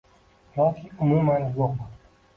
Yoki umuman yo`q